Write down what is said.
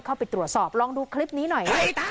เข้าไปตรวจสอบลองดูคลิปนี้หน่อย